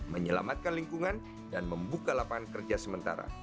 menyelamatkan lingkungan dan membuka lapangan kerja sementara